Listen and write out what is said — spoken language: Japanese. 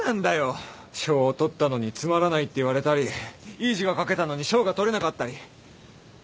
賞を取ったのにつまらないって言われたりいい字が書けたのに賞が取れなかったり。